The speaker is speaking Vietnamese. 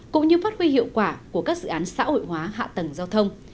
cũng như phát huy hiệu quả của các dự án xã hội hóa hạ tầng giao thông